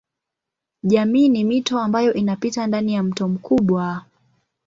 Jamii ni mito ambayo inapita ndani ya mto mkubwa.